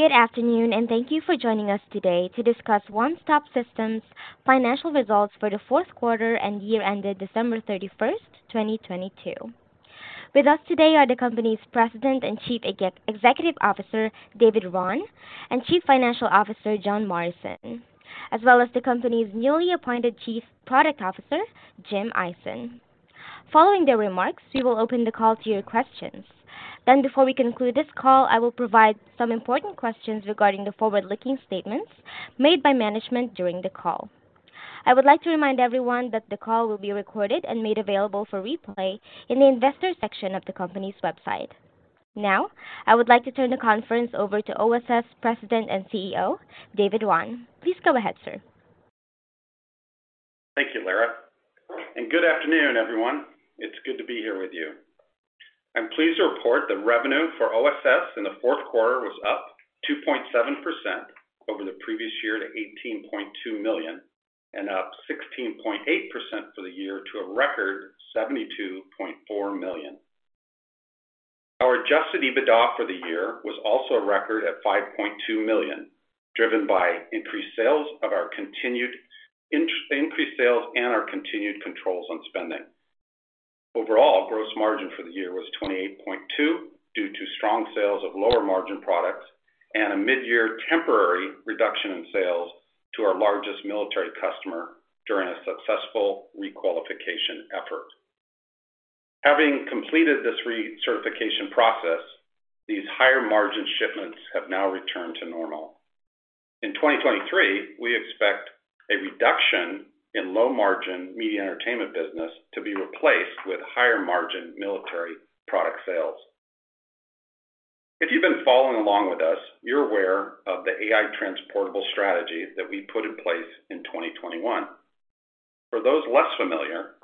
Good afternoon. Thank you for joining us today to discuss One Stop Systems' financial results for the fourth quarter and year ended December 31, 2022. With us today are the company's President and Chief Executive Officer, David Raun, and Chief Financial Officer, John Morrison, as well as the company's newly appointed Chief Product Officer, Jim Ison. Following their remarks, we will open the call to your questions. Before we conclude this call, I will provide some important questions regarding the forward-looking statements made by management during the call. I would like to remind everyone that the call will be recorded and made available for replay in the investors section of the company's website. I would like to turn the conference over to OSS President and CEO, David Raun. Please go ahead, sir. Thank you, Lara. Good afternoon, everyone. It's good to be here with you. I'm pleased to report that revenue for OSS in the fourth quarter was up 2.7% over the previous year to $18.2 million and up 16.8% for the year to a record $72.4 million. Our adjusted EBITDA for the year was also a record at $5.2 million, driven by increased sales and our continued controls on spending. Overall, gross margin for the year was 28.2% due to strong sales of lower-margin products and a mid-year temporary reduction in sales to our largest military customer during a successful requalification effort. Having completed this recertification process, these higher-margin shipments have now returned to normal. In 2023, we expect a reduction in low-margin media entertainment business to be replaced with higher-margin military product sales. If you've been following along with us, you're aware of the AI Transportable strategy that we put in place in 2021. For those less familiar,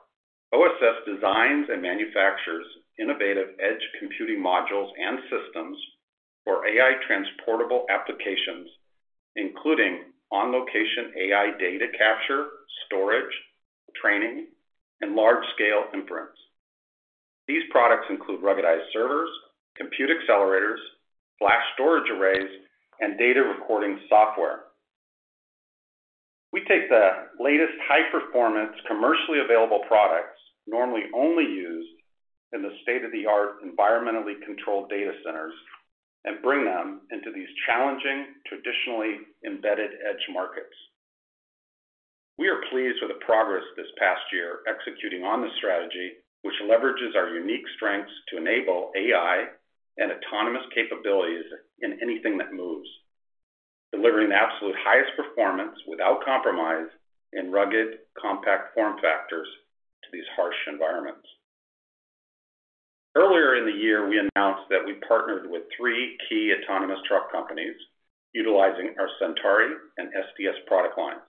OSS designs and manufactures innovative edge computing modules and systems for AI Transportable applications, including on-location AI data capture, storage, training, and large-scale inference. These products include ruggedized servers, compute accelerators, flash storage arrays, and data recording software. We take the latest high-performance, commercially available products normally only used in the state-of-the-art, environmentally controlled data centers and bring them into these challenging, traditionally embedded edge markets. We are pleased with the progress this past year executing on this strategy, which leverages our unique strengths to enable AI and autonomous capabilities in anything that moves, delivering the absolute highest performance without compromise in rugged, compact form factors to these harsh environments. Earlier in the year, we announced that we partnered with three key autonomous truck companies utilizing our Centauri and SDS product lines.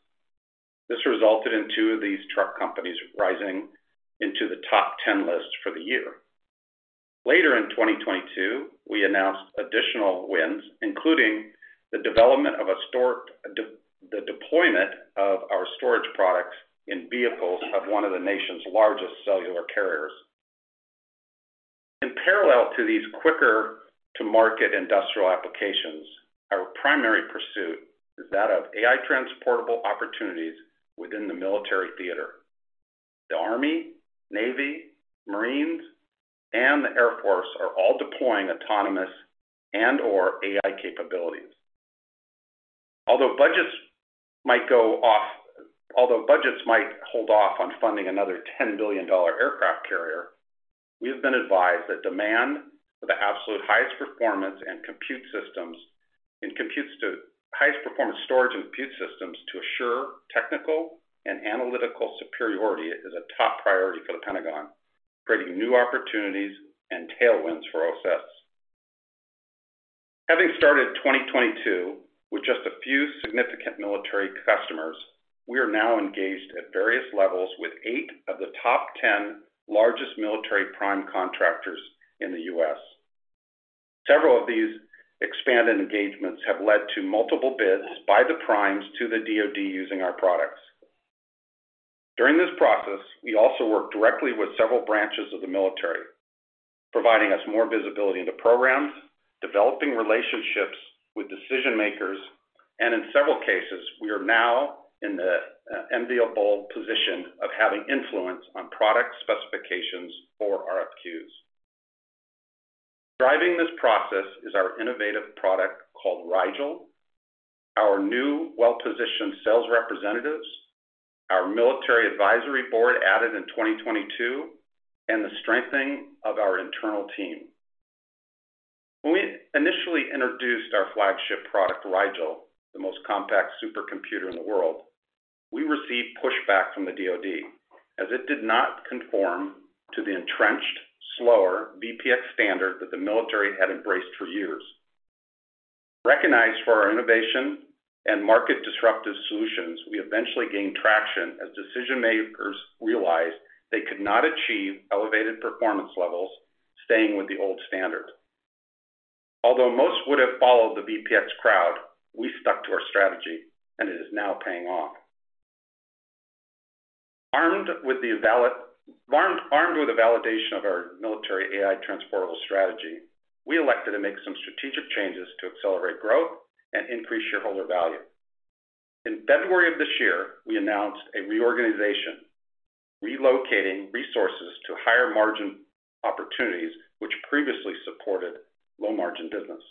This resulted in two of these truck companies rising into the top 10 list for the year. Later in 2022, we announced additional wins, including the deployment of our storage products in vehicles of one of the nation's largest cellular carriers. In parallel to these quicker-to-market industrial applications, our primary pursuit is that of AI Transportable opportunities within the military theater. The Army, Navy, Marines, and the Air Force are all deploying autonomous and/or AI capabilities. Although budgets might hold off on funding another $10 billion aircraft carrier, we have been advised that demand for the absolute highest performance storage and compute systems to assure technical and analytical superiority is a top priority for the Pentagon, creating new opportunities and tailwinds for OSS. Having started 2022 with just a few significant military customers, we are now engaged at various levels with 8 of the top 10 largest military prime contractors in the U.S. Several of these expanded engagements have led to multiple bids by the primes to the DoD using our products. During this process, we also work directly with several branches of the military, providing us more visibility into programs, developing relationships with decision-makers, and in several cases, we are now in the enviable position of having influence on product specifications for RFQs. Driving this process is our innovative product called Rigel, our new well-positioned sales representatives, our military advisory board added in 2022, and the strengthening of our internal team. When we initially introduced our flagship product, Rigel, the most compact supercomputer in the world, we received pushback from the DoD as it did not conform to the entrenched, slower VPX standard that the military had embraced for years. Recognized for our innovation and market-disruptive solutions, we eventually gained traction as decision-makers realized they could not achieve elevated performance levels staying with the old standard. Although most would have followed the VPX crowd, we stuck to our strategy. It is now paying off. Armed with the validation of our military AI Transportable strategy, we elected to make some strategic changes to accelerate growth and increase shareholder value. In February of this year, we announced a reorganization relocating resources to higher margin opportunities which previously supported low margin business.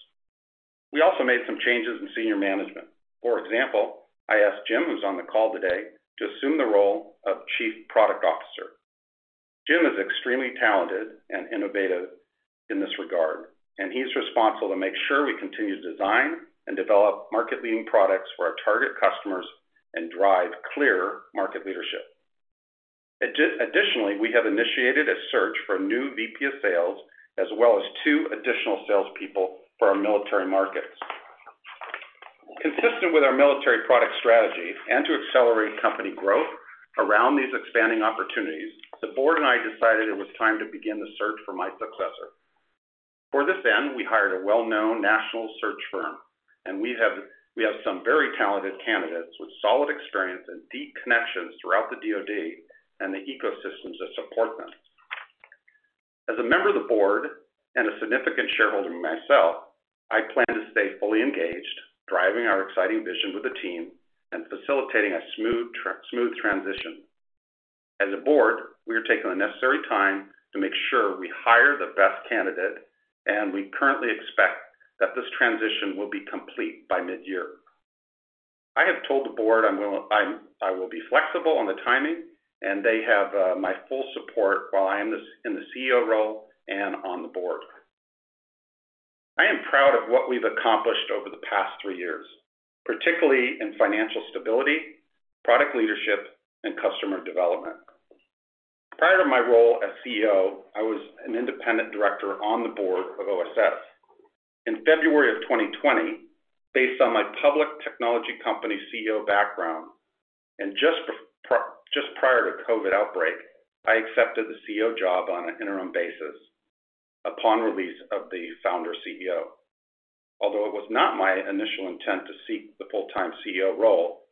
We also made some changes in senior management. For example, I asked Jim, who's on the call today, to assume the role of Chief Product Officer. Jim is extremely talented and innovative in this regard. He's responsible to make sure we continue to design and develop market-leading products for our target customers and drive clear market leadership. Additionally, we have initiated a search for a new VP of sales as well as two additional salespeople for our military markets. Consistent with our military product strategy and to accelerate company growth around these expanding opportunities, the board and I decided it was time to begin the search for my successor. For this end, we hired a well-known national search firm, we have some very talented candidates with solid experience and deep connections throughout the DoD and the ecosystems that support them. As a member of the board and a significant shareholder myself, I plan to stay fully engaged, driving our exciting vision with the team and facilitating a smooth transition. As a board, we are taking the necessary time to make sure we hire the best candidate, and we currently expect that this transition will be complete by mid-year. I have told the board I will be flexible on the timing. They have my full support while I am in the CEO role and on the board. I am proud of what we've accomplished over the past three years, particularly in financial stability, product leadership, and customer development. Prior to my role as CEO, I was an independent director on the board of OSS. In February of 2020, based on my public technology company CEO background and just prior to COVID outbreak, I accepted the CEO job on an interim basis upon release of the founder CEO. Although it was not my initial intent to seek the full-time CEO role,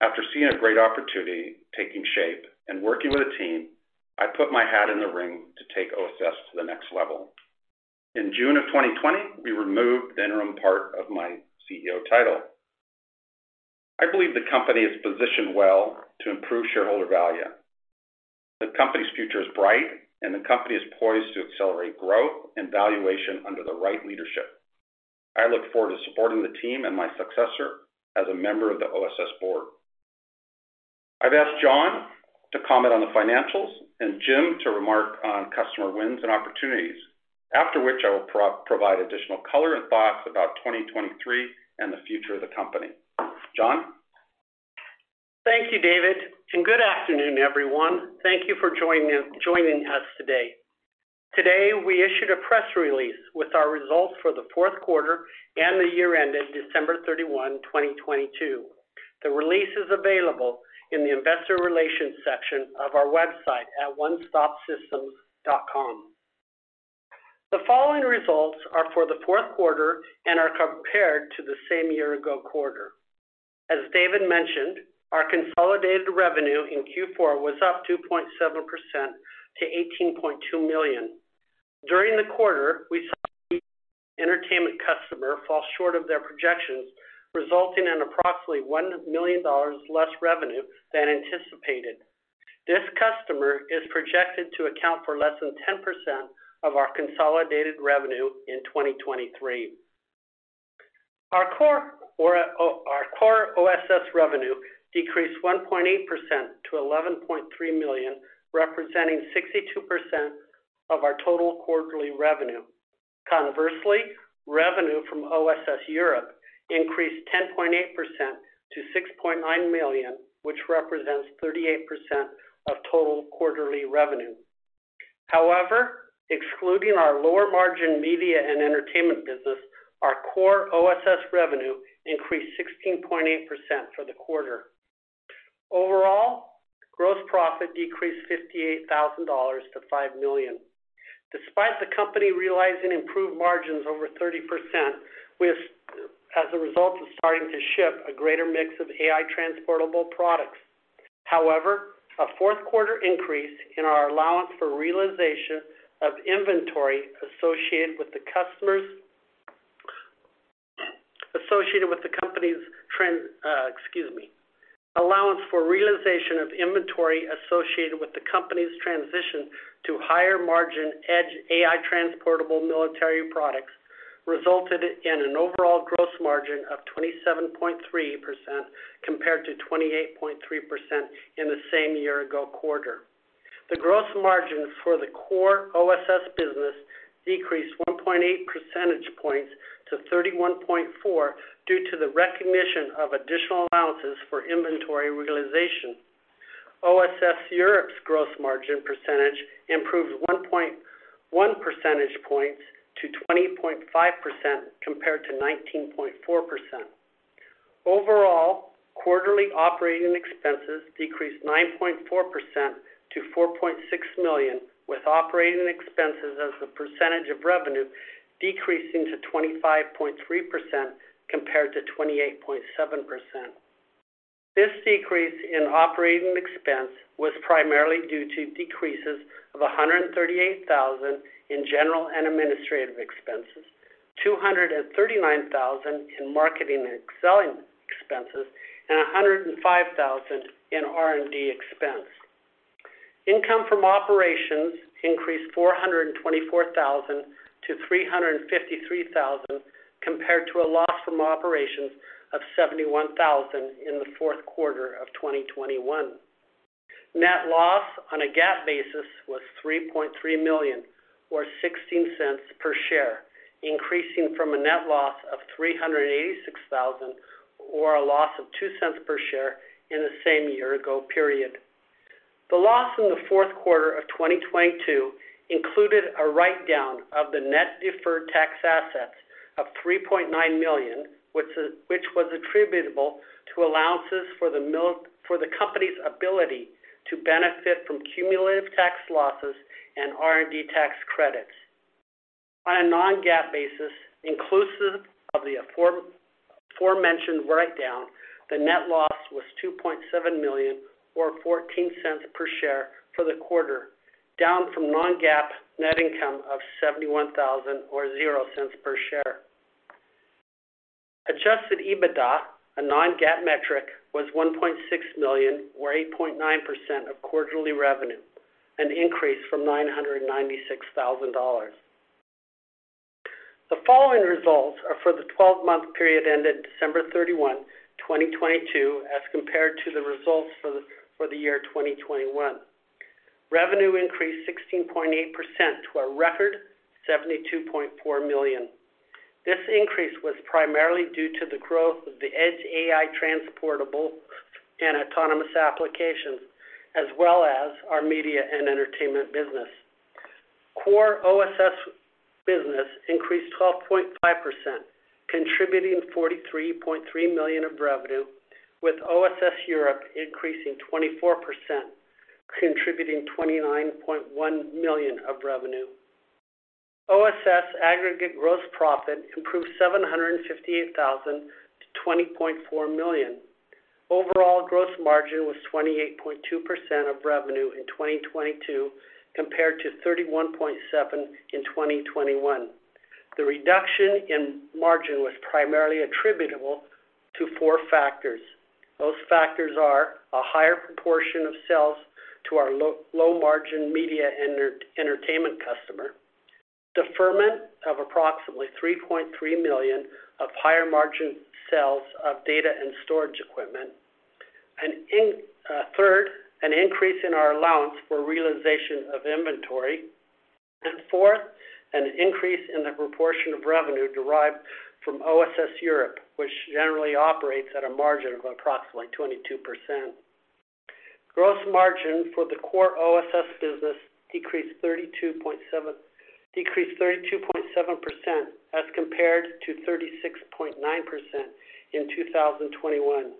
after seeing a great opportunity taking shape and working with a team, I put my hat in the ring to take OSS to the next level. In June of 2020, we removed the interim part of my CEO title. I believe the company is positioned well to improve shareholder value. The company's future is bright. The company is poised to accelerate growth and valuation under the right leadership. I look forward to supporting the team and my successor as a member of the OSS board. I've asked John to comment on the financials and Jim to remark on customer wins and opportunities. After which, I will provide additional color and thoughts about 2023 and the future of the company. John? Thank you, David. Good afternoon, everyone. Thank you for joining us today. Today, we issued a press release with our results for the fourth quarter and the year end at December 31, 2022. The release is available in the investor relations section of our website at onestopsystems.com. The following results are for the fourth quarter and are compared to the same year ago quarter. As David mentioned, our consolidated revenue in Q4 was up 2.7% to $18.2 million. During the quarter, we saw entertainment customer fall short of their projections, resulting in approximately $1 million less revenue than anticipated. This customer is projected to account for less than 10% of our consolidated revenue in 2023. Our core or our core OSS revenue decreased 1.8% to $11.3 million, representing 62% of our total quarterly revenue. Conversely, revenue from OSS Europe increased 10.8% to $6.9 million, which represents 38% of total quarterly revenue. However, excluding our lower-margin media and entertainment business, our core OSS revenue increased 16.8% for the quarter. Overall, gross profit decreased $58,000 to $5 million. Despite the company realizing improved margins over 30%, as a result of starting to ship a greater mix of AI Transportable products. However, a fourth-quarter increase in our allowance for realization of inventory associated with the company's transition to higher-margin Edge AI Transportable military products resulted in an overall gross margin of 27.3% compared to 28.3% in the same year-ago quarter. The gross margin for the core OSS business decreased 1.8 percentage points to 31.4% due to the recognition of additional allowances for inventory realization. OSS Europe's gross margin percentage improved 1.1 percentage points to 20.5% compared to 19.4%. Overall, quarterly operating expenses decreased 9.4% to $4.6 million, with operating expenses as a percentage of revenue decreasing to 25.3% compared to 28.7%. This decrease in operating expense was primarily due to decreases of $138,000 in general and administrative expenses, $239,000 in marketing and selling expenses, and $105,000 in R&D expense. Income from operations increased $424,000 to $353,000 compared to a loss from operations of $71,000 in the fourth quarter of 2021. Net loss on a GAAP basis was $3.3 million or $0.16 per share, increasing from a net loss of $386,000 or a loss of $0.02 per share in the same year-ago period. The loss in the fourth quarter of 2022 included a write-down of the net deferred tax assets of $3.9 million, which was attributable to allowances for the company's ability to benefit from cumulative tax losses and R&D tax credits. On a non-GAAP basis, inclusive of the aforementioned write-down, the net loss was $2.7 million or $0.14 per share for the quarter, down from non-GAAP net income of $71,000 or $0.00 per share. Adjusted EBITDA, a non-GAAP metric, was $1.6 million or 8.9% of quarterly revenue, an increase from $996,000. The following results are for the 12-month period ended December 31, 2022, as compared to the results for the year 2021. Revenue increased 16.8% to a record $72.4 million. This increase was primarily due to the growth of the Edge AI Transportable and autonomous applications, as well as our media and entertainment business. Core OSS business increased 12.5%, contributing $43.3 million of revenue, with OSS Europe increasing 24%, contributing $29.1 million of revenue. OSS aggregate gross profit improved $758,000 to $20.4 million. Overall gross margin was 28.2% of revenue in 2022 compared to 31.7% in 2021. The reduction in margin was primarily attributable to four factors. Those factors are a higher proportion of sales to our low-margin media entertainment customer, deferment of approximately $3.3 million of higher-margin sales of data and storage equipment, third, an increase in our allowance for realization of inventory, and fourth, an increase in the proportion of revenue derived from OSS Europe, which generally operates at a margin of approximately 22%. Gross margin for the core OSS business decreased 32.7% as compared to 36.9% in 2021.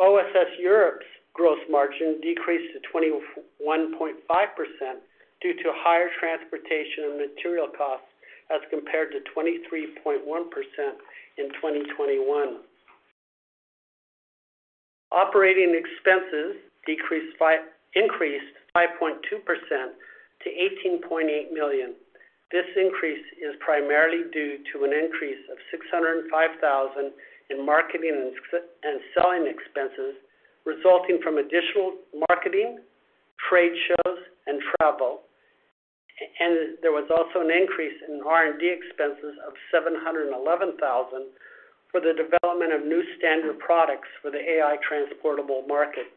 OSS Europe's gross margin decreased to 21.5% due to higher transportation and material costs as compared to 23.1% in 2021. Operating expenses increased 5.2% to $18.8 million. This increase is primarily due to an increase of $605,000 in marketing and selling expenses resulting from additional marketing, trade shows, and travel. There was also an increase in R&D expenses of $711,000 for the development of new standard products for the AI Transportable market.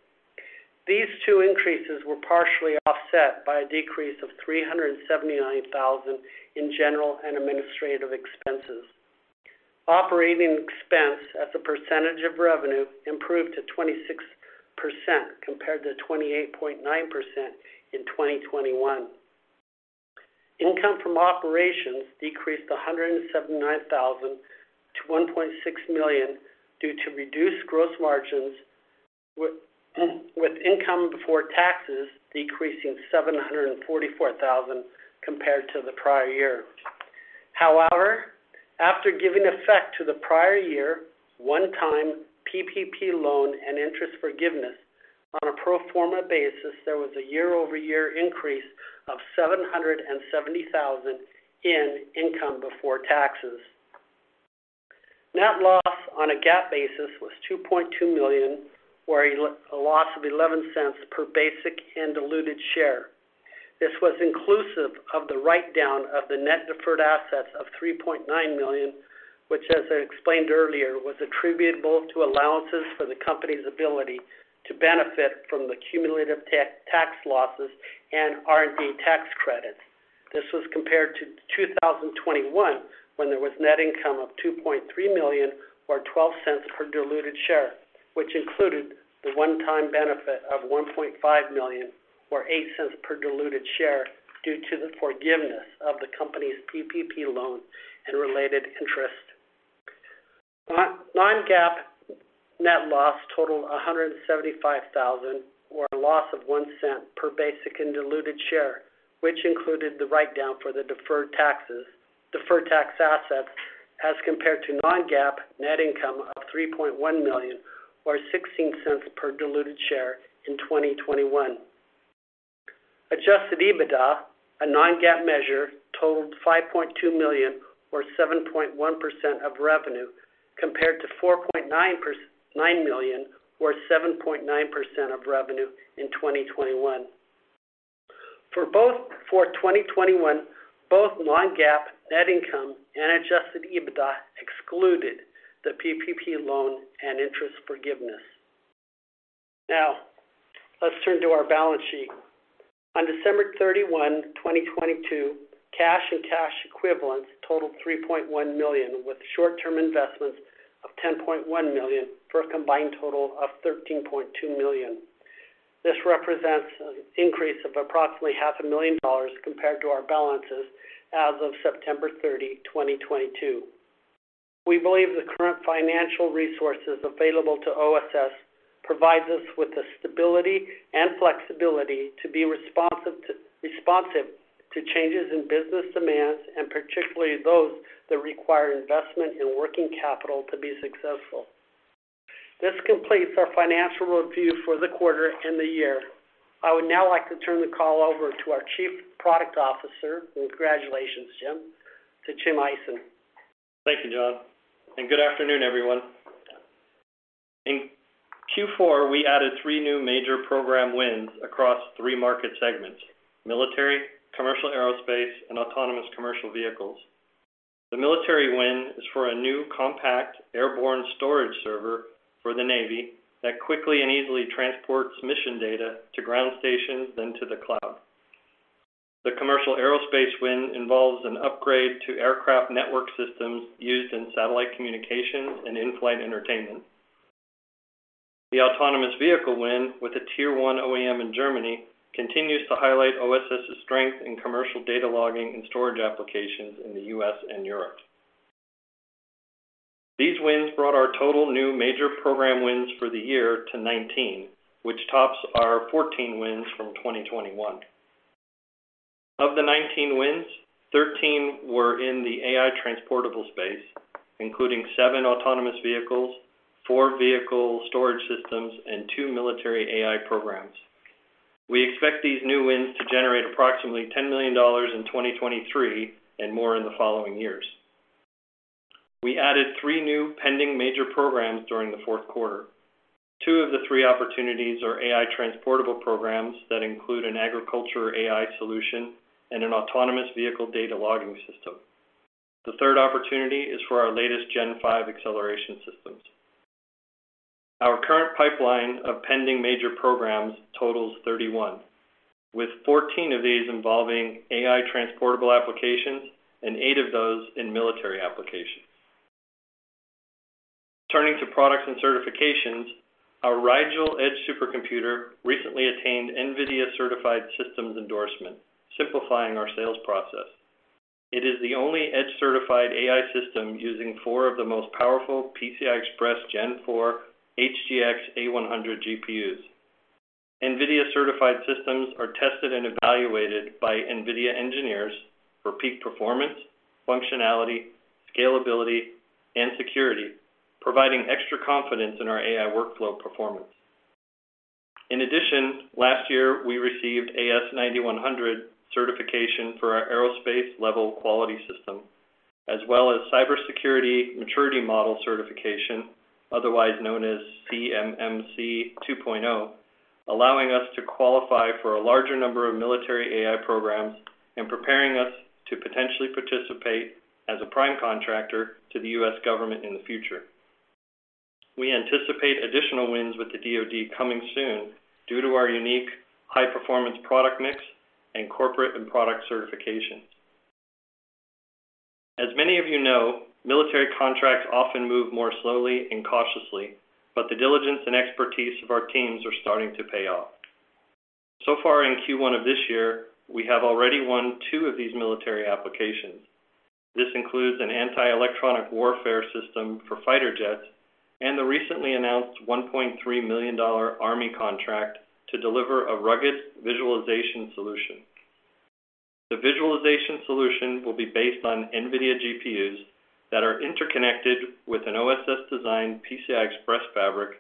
These two increases were partially offset by a decrease of $379,000 in general and administrative expenses. Operating expense as a percentage of revenue improved to 26% compared to 28.9% in 2021. Income from operations decreased $179,000 to $1.6 million due to reduced gross margins with income before taxes decreasing $744,000 compared to the prior year. After giving effect to the prior year, one-time PPP loan and interest forgiveness on a pro forma basis, there was a year-over-year increase of $770,000 in income before taxes. Net loss on a GAAP basis was $2.2 million or a loss of $0.11 per basic and diluted share. This was inclusive of the write-down of the net deferred assets of $3.9 million, which, as I explained earlier, was attributable to allowances for the company's ability to benefit from the cumulative tax losses and R&D tax credits. This was compared to 2021, when there was net income of $2.3 million or $0.12 per diluted share, which included the one-time benefit of $1.5 million or $0.08 per diluted share due to the forgiveness of the company's PPP loan and related interest. Non-GAAP net loss totaled $175,000 or a loss of $0.01 per basic and diluted share, which included the write-down for the deferred tax assets as compared to non-GAAP net income of $3.1 million or $0.16 per diluted share in 2021. Adjusted EBITDA, a non-GAAP measure, totaled $5.2 million or 7.1% of revenue, compared to $4.9 million or 7.9% of revenue in 2021. For 2021, both non-GAAP net income and adjusted EBITDA excluded the PPP loan and interest forgiveness. Let's turn to our balance sheet. On December 31, 2022, cash and cash equivalents totaled $3.1 million, with short-term investments of $10.1 million, for a combined total of $13.2 million. This represents an increase of approximately half a million dollars compared to our balances as of September 30, 2022. We believe the current financial resources available to OSS provides us with the stability and flexibility to be responsive to changes in business demands, and particularly those that require investment in working capital to be successful. This completes our financial review for the quarter and the year. I would now like to turn the call over to our Chief Product Officer, and congratulations, Jim, to Jim Ison. Thank you, John, and good afternoon, everyone. In Q4, we added 3 new major program wins across 3 market segments: military, commercial aerospace, and autonomous commercial vehicles. The military win is for a new compact airborne storage server for the Navy that quickly and easily transports mission data to ground stations, then to the cloud. The commercial aerospace win involves an upgrade to aircraft network systems used in satellite communications and in-flight entertainment. The autonomous vehicle win with a tier-one OEM in Germany continues to highlight OSS's strength in commercial data logging and storage applications in the U.S. and Europe. These wins brought our total new major program wins for the year to 19, which tops our 14 wins from 2021. Of the 19 wins, 13 were in the AI Transportable space, including 7 autonomous vehicles, 4 vehicle storage systems, and 2 military AI programs. We expect these new wins to generate approximately $10 million in 2023 and more in the following years. We added three new pending major programs during the fourth quarter. Two of the three opportunities are AI Transportable programs that include an agriculture AI solution and an autonomous vehicle data logging system. The third opportunity is for our latest Gen 5 acceleration systems. Our current pipeline of pending major programs totals 31, with 14 of these involving AI Transportable applications and eight of those in military applications. Turning to products and certifications, our Rigel Edge Supercomputer recently attained NVIDIA-Certified Systems endorsement, simplifying our sales process. It is the only Edge-certified AI system using four of the most powerful PCI Express Gen 4 HGX A100 GPUs. NVIDIA-Certified Systems are tested and evaluated by NVIDIA engineers for peak performance, functionality, scalability, and security, providing extra confidence in our AI workflow performance. In addition, last year, we received AS9100 certification for our aerospace level quality system, as well as Cybersecurity Maturity Model Certification, otherwise known as CMMC 2.0, allowing us to qualify for a larger number of military AI programs and preparing us to potentially participate as a prime contractor to the U.S. government in the future. We anticipate additional wins with the DoD coming soon due to our unique high-performance product mix and corporate and product certifications. As many of you know, military contracts often move more slowly and cautiously, but the diligence and expertise of our teams are starting to pay off. Far in Q1 of this year, we have already won two of these military applications. This includes an anti-electronic warfare system for fighter jets and the recently announced $1.3 million Army contract to deliver a rugged visualization solution. The visualization solution will be based on NVIDIA GPUs that are interconnected with an OSS-designed PCI Express fabric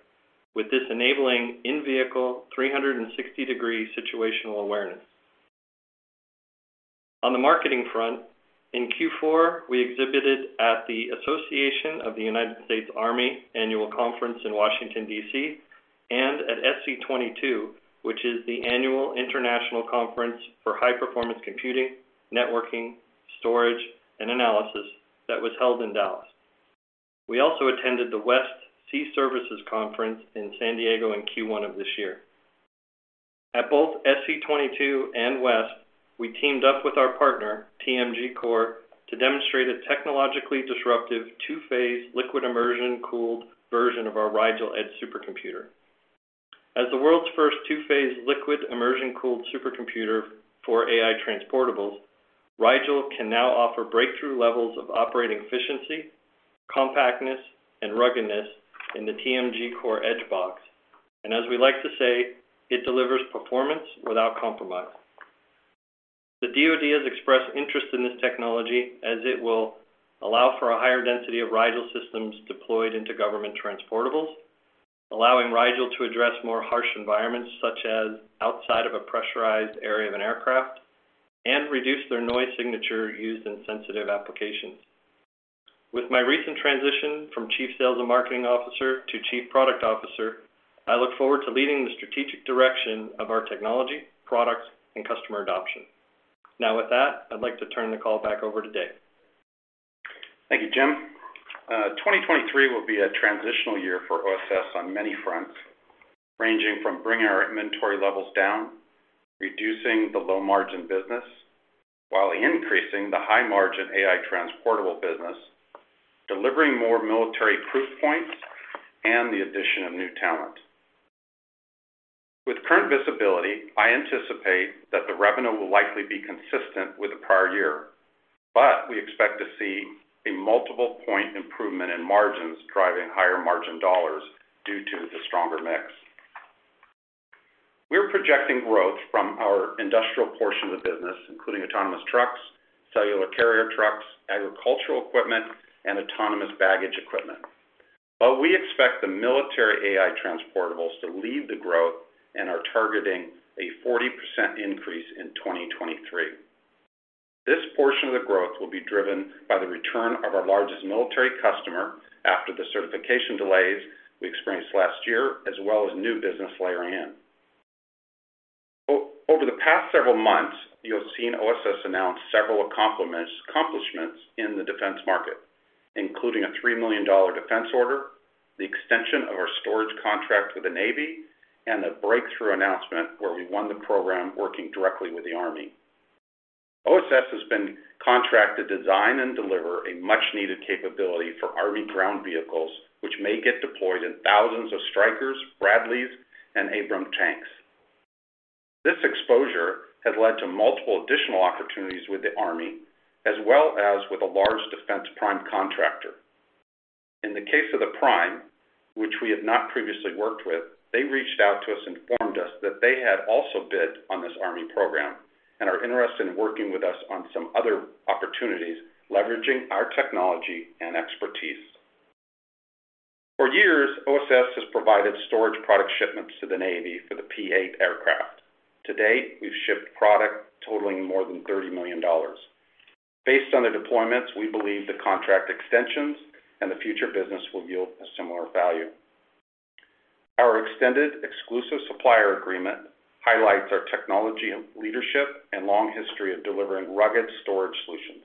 with this enabling in-vehicle 360-degree situational awareness. On the marketing front, in Q4, we exhibited at the Association of the United States Army Annual Conference in Washington, D.C., and at SC22, which is the Annual International Conference for High Performance Computing, Networking, Storage, and Analysis that was held in Dallas. We also attended the WEST Sea Services Conference in San Diego in Q1 of this year. At both SC22 and WEST, we teamed up with our partner, TMGcore, to demonstrate a technologically disruptive two-phase liquid immersion-cooled version of our Rigel Edge Supercomputer. As the world's first two-phase liquid immersion-cooled supercomputer for AI Transportables, Rigel can now offer breakthrough levels of operating efficiency, compactness, and ruggedness in the TMGcore EdgeBox. As we like to say, it delivers performance without compromise. The DoD has expressed interest in this technology as it will allow for a higher density of Rigel systems deployed into government transportables, allowing Rigel to address more harsh environments such as outside of a pressurized area of an aircraft and reduce their noise signature used in sensitive applications. With my recent transition from Chief Sales and Marketing Officer to Chief Product Officer, I look forward to leading the strategic direction of our technology, products, and customer adoption. With that, I'd like to turn the call back over to David. Thank you, Jim. 2023 will be a transitional year for OSS on many fronts, ranging from bringing our inventory levels down, reducing the low-margin business while increasing the high-margin AI Transportable business, delivering more military proof points, and the addition of new talent. With current visibility, I anticipate that the revenue will likely be consistent with the prior year, we expect to see a multiple-point improvement in margins driving higher-margin dollars due to the stronger mix. We're projecting growth from our industrial portion of the business, including autonomous trucks, cellular carrier trucks, agricultural equipment, and autonomous baggage equipment. We expect the military AI Transportables to lead the growth and are targeting a 40% increase in 2023. This portion of the growth will be driven by the return of our largest military customer after the certification delays we experienced last year, as well as new business layering in. Over the past several months, you have seen OSS announce several accomplishments in the defense market, including a $3 million defense order, the extension of our storage contract with the Navy, and a breakthrough announcement where we won the program working directly with the Army. OSS has been contracted to design and deliver a much-needed capability for Army ground vehicles, which may get deployed in thousands of Strykers, Bradleys, and Abrams tanks. This exposure has led to multiple additional opportunities with the Army as well as with a large defense prime contractor. In the case of the prime, which we had not previously worked with, they reached out to us and informed us that they had also bid on this Army program and are interested in working with us on some other opportunities, leveraging our technology and expertise. For years, OSS has provided storage product shipments to the Navy for the P-8A aircraft. To date, we've shipped product totaling more than $30 million. Based on the deployments, we believe the contract extensions and the future business will yield a similar value. Our extended exclusive supplier agreement highlights our technology leadership and long history of delivering rugged storage solutions,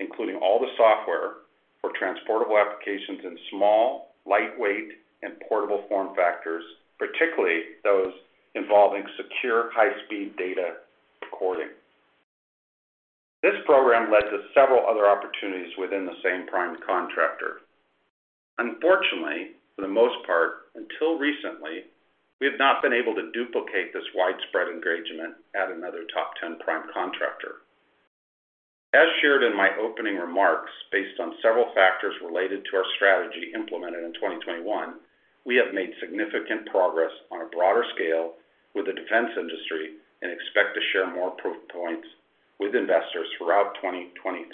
including all the software for transportable applications in small, lightweight, and portable form factors, particularly those involving secure, high-speed data recording. This program led to several other opportunities within the same prime contractor. Unfortunately, for the most part, until recently, we have not been able to duplicate this widespread engagement at another top 10 prime contractor. As shared in my opening remarks, based on several factors related to our strategy implemented in 2021, we have made significant progress on a broader scale with the defense industry and expect to share more proof points with investors throughout 2023.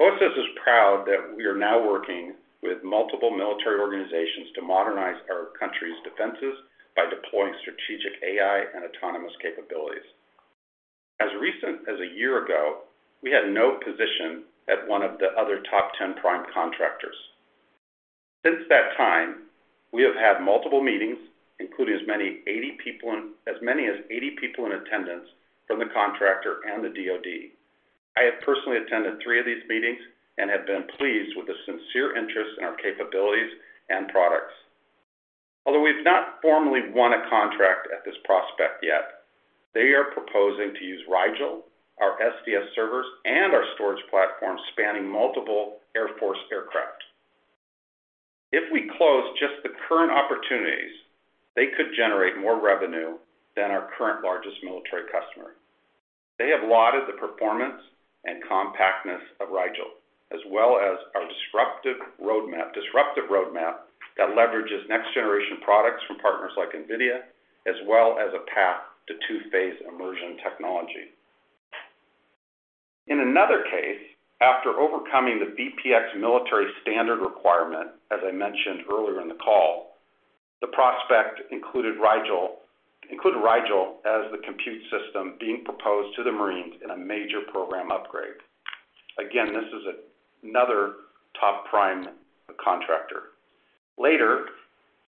OSS is proud that we are now working with multiple military organizations to modernize our country's defenses by deploying strategic AI and autonomous capabilities. As recent as a year ago, we had no position at one of the other top 10 prime contractors. Since that time, we have had multiple meetings, including as many as 80 people in attendance from the contractor and the DoD. I have personally attended three of these meetings and have been pleased with the sincere interest in our capabilities and products. Although we've not formally won a contract at this prospect yet, they are proposing to use Rigel, our SDS servers, and our storage platform spanning multiple Air Force aircraft. If we close just the current opportunities, they could generate more revenue than our current largest military customer. They have lauded the performance and compactness of Rigel, as well as our disruptive roadmap that leverages next-generation products from partners like NVIDIA, as well as a path to two-phase immersion technology. In another case, after overcoming the VPX military standard requirement, as I mentioned earlier in the call, the prospect included Rigel as the compute system being proposed to the Marines in a major program upgrade. Again, this is another top prime contractor. Later,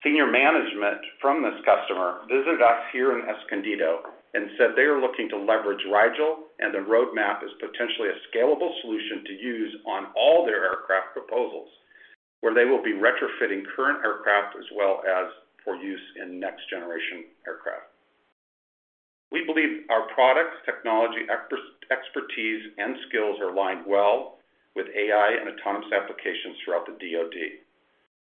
senior management from this customer visited us here in Escondido and said they are looking to leverage Rigel, and the roadmap is potentially a scalable solution to use on all their aircraft proposals, where they will be retrofitting current aircraft as well as for use in next-generation aircraft. We believe our products, technology, expertise, and skills are aligned well with AI and autonomous applications throughout the DoD.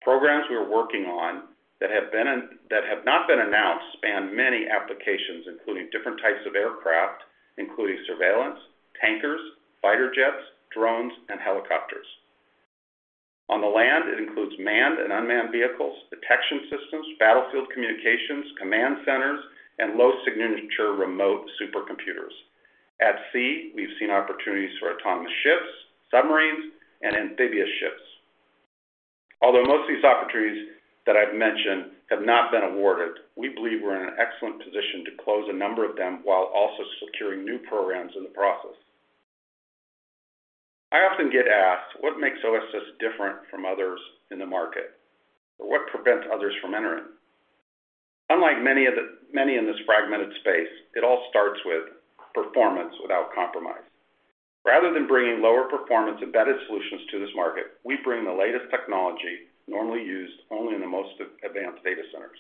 Programs we are working on that have not been announced span many applications, including different types of aircraft, including surveillance, tankers, fighter jets, drones, and helicopters. On the land, it includes manned and unmanned vehicles, detection systems, battlefield communications, command centers, and low signature remote supercomputers. At sea, we've seen opportunities for autonomous ships, submarines, and amphibious ships. Although most of these opportunities that I've mentioned have not been awarded, we believe we're in an excellent position to close a number of them while also securing new programs in the process. I often get asked, what makes OSS different from others in the market? Or what prevents others from entering? Unlike many in this fragmented space, it all starts with performance without compromise. Rather than bringing lower performance embedded solutions to this market, we bring the latest technology normally used only in the most advanced data centers.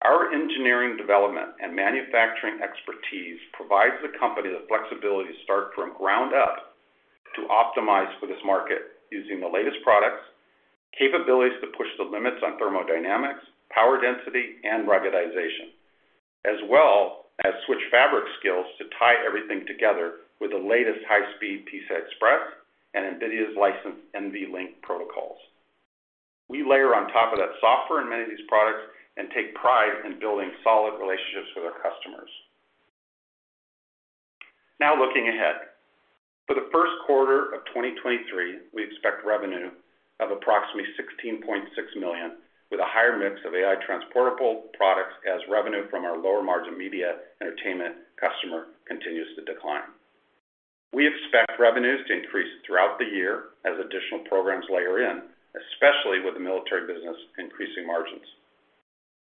Our engineering development and manufacturing expertise provides the company the flexibility to start from ground up to optimize for this market using the latest products, capabilities that push the limits on thermodynamics, power density, and ruggedization, as well as switch fabric skills to tie everything together with the latest high-speed PCI Express and NVIDIA's licensed NVLink protocols. We layer on top of that software in many of these products and take pride in building solid relationships with our customers. Looking ahead. For the first quarter of 2023, we expect revenue of approximately $16.6 million, with a higher mix of AI Transportable products as revenue from our lower-margin media entertainment customer continues to decline. We expect revenues to increase throughout the year as additional programs layer in, especially with the military business increasing margins.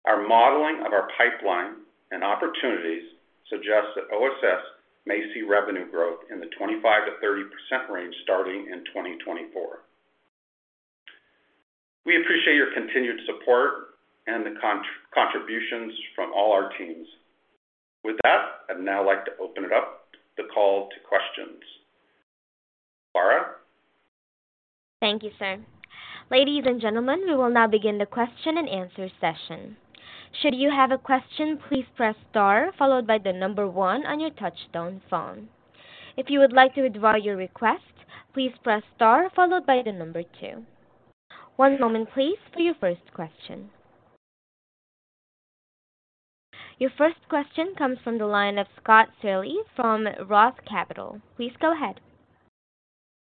Our modeling of our pipeline and opportunities suggests that OSS may see revenue growth in the 25%-30% range starting in 2024. We appreciate your continued support and the contributions from all our teams. I'd now like to open it up the call to questions. Lara? Thank you, sir. Ladies and gentlemen, we will now begin the question-and-answer session. Should you have a question, please press star followed by 1 on your touchtone phone. If you would like to withdraw your request, please press star followed by 2. One moment please for your first question. Your first question comes from the line of Scott Searl from Roth Capital. Please go ahead.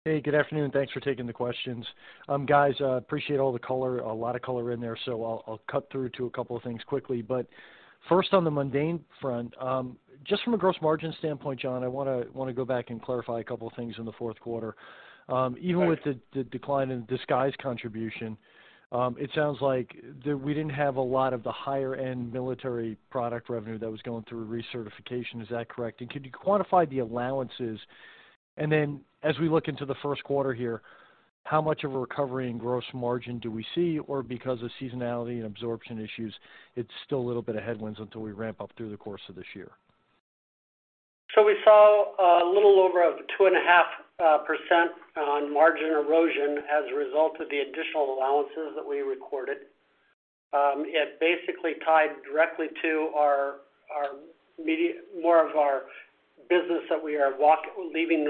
Hey, good afternoon, and thanks for taking the questions. Guys, I appreciate all the color, a lot of color in there. I'll cut through to a couple of things quickly. First, on the mundane front, just from a gross margin standpoint, Jon, I wanna go back and clarify a couple of things in the fourth quarter. Okay. -even with the decline in Disguise contribution, it sounds like that we didn't have a lot of the higher-end military product revenue that was going through recertification. Is that correct? Could you quantify the allowances? Then as we look into the first quarter here, how much of a recovery in gross margin do we see? Because of seasonality and absorption issues, it's still a little bit of headwinds until we ramp up through the course of this year. we saw a little over a 2.5% on margin erosion as a result of the additional allowances that we recorded. It basically tied directly to our more of our business that we are leaving,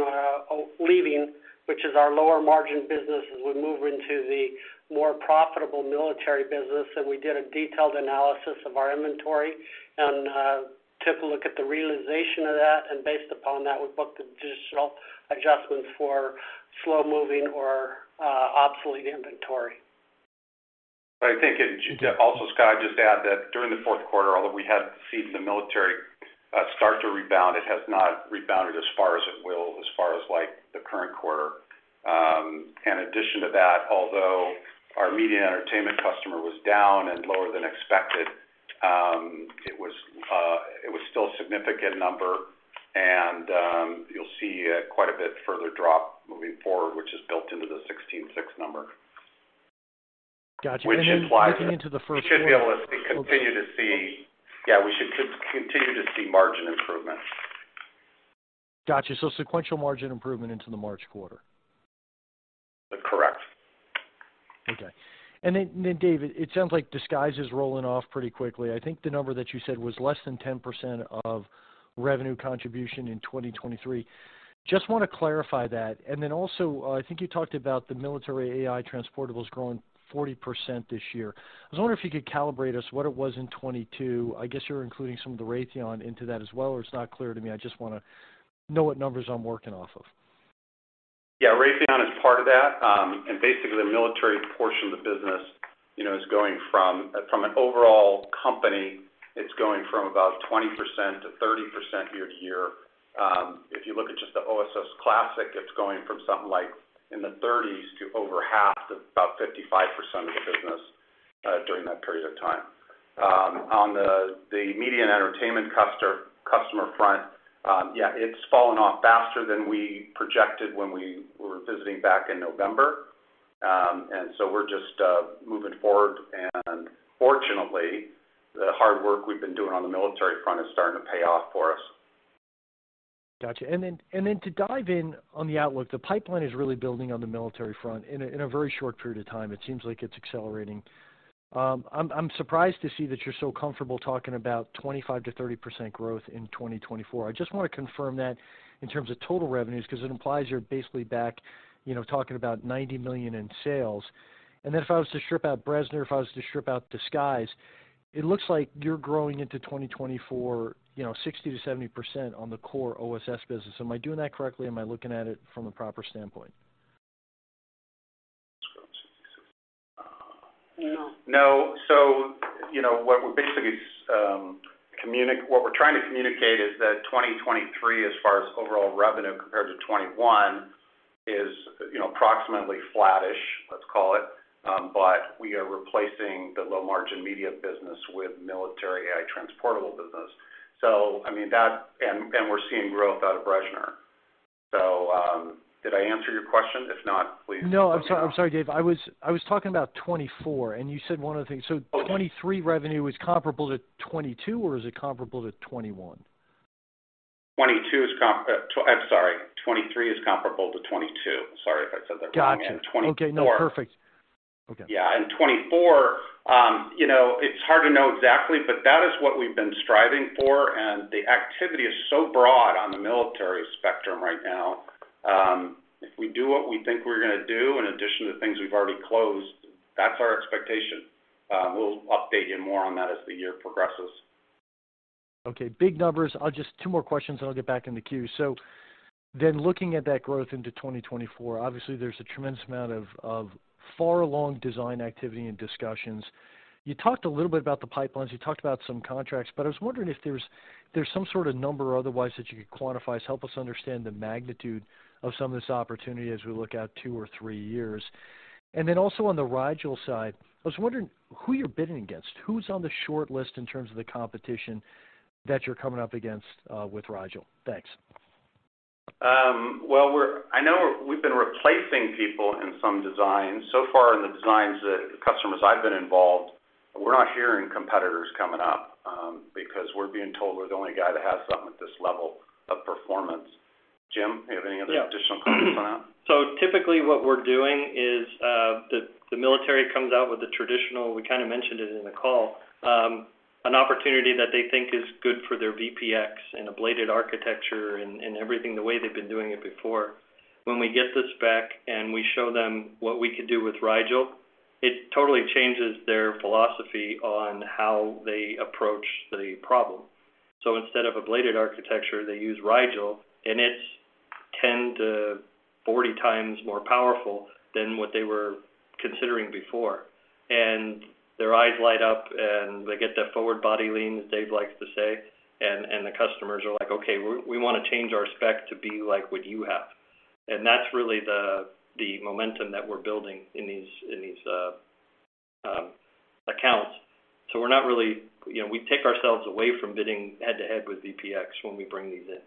which is our lower-margin business as we move into the more profitable military business. we did a detailed analysis of our inventory and took a look at the realization of that. Based upon that, we booked additional adjustments for slow-moving or obsolete inventory. I think. Yeah. Scott, I'd just add that during the fourth quarter, although we have seen the military, start to rebound, it has not rebounded as far as it will as far as, like, the current quarter. In addition to that, although our media and entertainment customer was down and lower than expected, it was still a significant number, and, you'll see quite a bit further drop moving forward, which is built into the $16.6 number. Got you. Which implies. Looking into the first quarter. We should be able to see- Okay. Yeah, we should continue to see margin improvements. Got you. Sequential margin improvement into the March quarter. Correct. Okay. Then David, it sounds like disguise is rolling off pretty quickly. I think the number that you said was less than 10% of revenue contribution in 2023. Just wanna clarify that. Also, I think you talked about the military AI Transportables growing 40% this year. I was wondering if you could calibrate us what it was in 2022. I guess you're including some of the Raytheon into that as well, or it's not clear to me. I just wanna know what numbers I'm working off of. Yeah. Raytheon is part of that. Basically the military portion of the business, you know, is going from an overall company, it's going from about 20% to 30% year to year. If you look at just the OSS Classic, it's going from something like in the 30s to over half, to about 55% of the business during that period of time. On the media and entertainment customer front, yeah, it's fallen off faster than we projected when we were visiting back in November. We're just moving forward. Fortunately, the hard work we've been doing on the military front is starting to pay off for us. Got you. To dive in on the outlook, the pipeline is really building on the military front in a very short period of time. It seems like it's accelerating. I'm surprised to see that you're so comfortable talking about 25%-30% growth in 2024. I just wanna confirm that in terms of total revenues, because it implies you're basically back, you know, talking about $90 million in sales. If I was to strip out Bressner Technology, if I was to strip out disguise, it looks like you're growing into 2024, you know, 60%-70% on the core OSS business. Am I doing that correctly? Am I looking at it from a proper standpoint? No. No. you know, what we're basically, what we're trying to communicate is that 2023, as far as overall revenue compared to 2021 is, you know, approximately flattish, let's call it. We are replacing the low-margin media business with military AI Transportable business. I mean, that. We're seeing growth out of Bressner Technology. Did I answer your question? If not, please. No. I'm sorry. I'm sorry, David. I was talking about 2024, and you said one other thing. Okay. 2023 revenue is comparable to 2022 or is it comparable to 2021? 2022 is I'm sorry, 2023 is comparable to 2022. Sorry if I said that wrong. Got you. 2024. Okay. No, perfect. Okay. Yeah. In 2024, you know, it's hard to know exactly, but that is what we've been striving for. The activity is so broad on the military spectrum right now. If we do what we think we're gonna do in addition to things we've already closed, that's our expectation. We'll update you more on that as the year progresses. Okay, big numbers. I'll just two more questions, I'll get back in the queue. Looking at that growth into 2024, obviously there's a tremendous amount of far along design activity and discussions. You talked a little bit about the pipelines, you talked about some contracts, I was wondering if there's some sort of number otherwise that you could quantify to help us understand the magnitude of some of this opportunity as we look out two or three years. Also on the Rigel side, I was wondering who you're bidding against, who's on the short list in terms of the competition that you're coming up against with Rigel. Thanks. Well, I know we've been replacing people in some designs. So far in the designs that the customers I've been involved, we're not hearing competitors coming up, because we're being told we're the only guy that has something at this level of performance. Jim, you have any? Yeah. Additional comments on that? Typically, what we're doing is, the military comes out with the traditional, we kind of mentioned it in the call, an opportunity that they think is good for their VPX and a bladed architecture and everything the way they've been doing it before. When we get the spec and we show them what we could do with Rigel, it totally changes their philosophy on how they approach the problem. Instead of a bladed architecture, they use Rigel, and it's 10-40 times more powerful than what they were considering before. Their eyes light up, and they get that forward body lean, as David likes to say, and the customers are like, "Okay, we wanna change our spec to be like what you have." That's really the momentum that we're building in these accounts. You know, we take ourselves away from bidding head to head with VPX when we bring these in.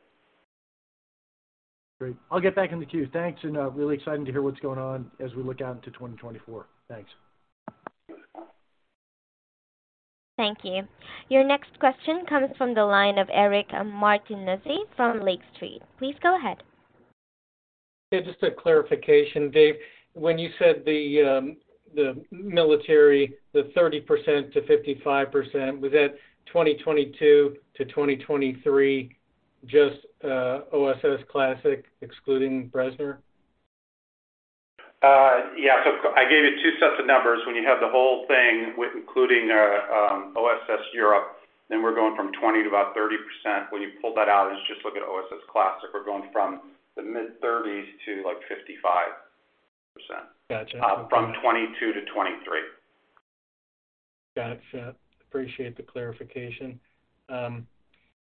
Great. I'll get back in the queue. Thanks, really exciting to hear what's going on as we look out into 2024. Thanks. Thank you. Thank you. Your next question comes from the line of Eric Martinuzzi from Lake Street. Please go ahead. Yeah, just a clarification, David. When you said the military, the 30%-55%, was that 2022 to 2023 just OSS Classic excluding Bressner Technology? Yeah. I gave you two sets of numbers. When you have the whole thing with including OSS Europe, we're going from 20 to about 30%. When you pull that out and just look at OSS Classic, we're going from the mid-30s to, like, 55%. Gotcha. from 2022-2023. Got it. Appreciate the clarification.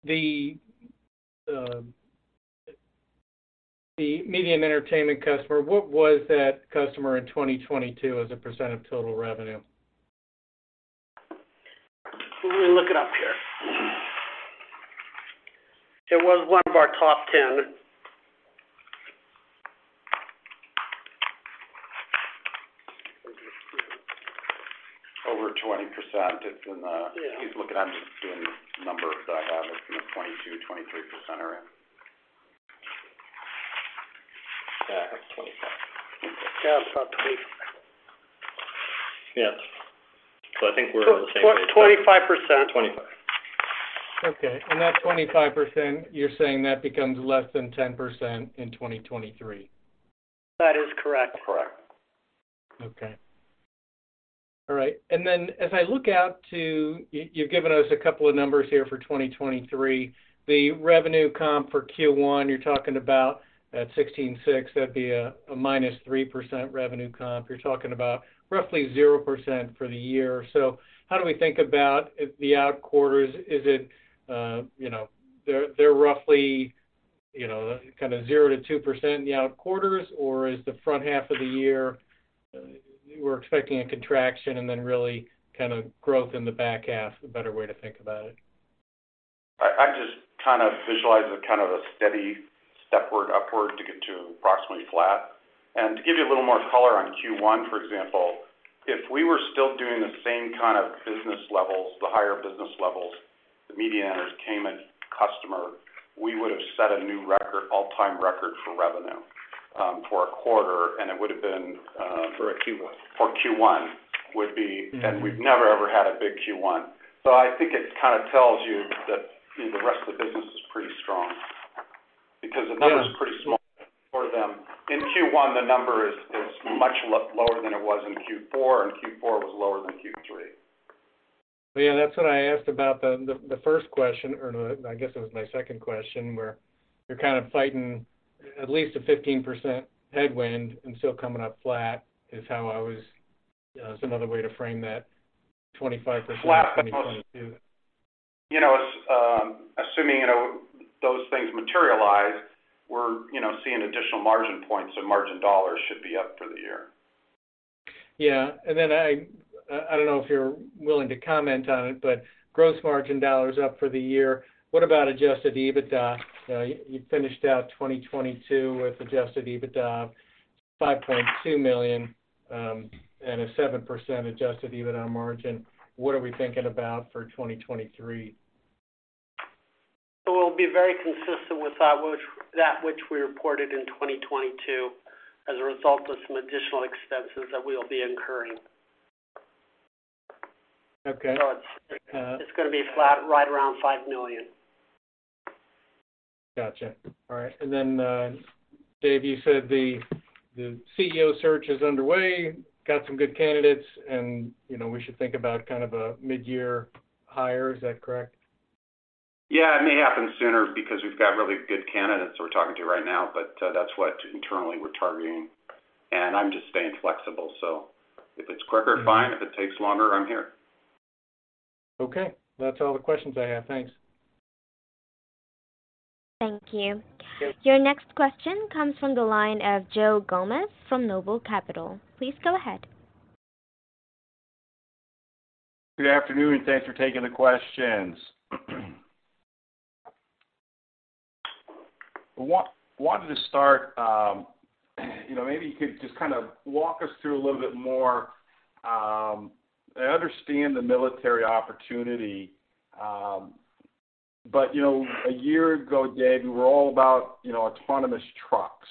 The media and entertainment customer, what was that customer in 2022 as a percent of total revenue? Let me look it up here. It was one of our top 10. Over 20%. Yeah. He's looking, I'm just seeing the number that I have. It's in the 22%-23% area. Yeah, it's 25%. Yeah, it's about 25. Yeah. I think we're on the same page. 25%? Twenty-five. Okay. That 25%, you're saying that becomes less than 10% in 2023? That is correct. Correct. Okay. All right. As I look out to, you've given us a couple of numbers here for 2023. The revenue comp for Q1, you're talking about at $16.6 million, that'd be a -3% revenue comp. You're talking about roughly 0% for the year. How do we think about the out quarters? Is it, you know, they're roughly, you know, kinda 0%-2% in the out quarters? Or is the front half of the year, we're expecting a contraction and then really kinda growth in the back half, a better way to think about it? I just kind of visualize it kind of a steady step upward to get to approximately flat. To give you a little more color on Q1, for example, if we were still doing the same kind of business levels, the higher business levels, the media and entertainment customer, we would have set a new record, all-time record for revenue for a quarter, and it would have been. For a Q1. For Q1 would be. Mm-hmm. We've never ever had a big Q1. I think it kind of tells you that the rest of the business is pretty strong because. Yeah... is pretty small for them. In Q1, the number is much lower than it was in Q4, and Q4 was lower than Q3. Yeah, that's what I asked about the first question, or no, I guess it was my second question, where you're kind of fighting at least a 15% headwind and still coming up flat, is how I was. You know, some other way to frame that 25%. Flat. You know, it's, assuming, you know, those things materialize, we're, you know, seeing additional margin points. Margin dollars should be up for the year. Yeah. I don't know if you're willing to comment on it, but gross margin dollars up for the year. What about adjusted EBITDA? You know, you finished out 2022 with adjusted EBITDA of $5.2 million, and a 7% adjusted EBITDA margin. What are we thinking about for 2023? We'll be very consistent with that which we reported in 2022 as a result of some additional expenses that we'll be incurring. Okay. It's gonna be flat right around $5 million. Gotcha. All right. Then, David, you said the CEO search is underway, got some good candidates, and, you know, we should think about kind of a mid-year hire. Is that correct? Yeah. It may happen sooner because we've got really good candidates we're talking to right now, but that's what internally we're targeting. I'm just staying flexible. If it's quicker, fine. If it takes longer, I'm here. Okay, that's all the questions I have. Thanks. Thank you. Your next question comes from the line of Joe Gomes from Noble Capital. Please go ahead. Good afternoon, and thanks for taking the questions. Wanted to start, you know, maybe you could just kind of walk us through a little bit more, I understand the military opportunity, but, you know, a year ago, David, you were all about, you know, autonomous trucks